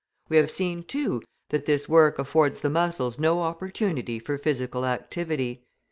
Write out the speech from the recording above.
We have seen, too, that this work affords the muscles no opportunity for physical activity.